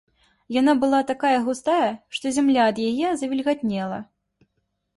Яна была такая густая, што зямля ад яе завільгатнела.